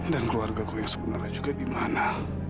dan keluarga aku yang sebenarnya juga di mana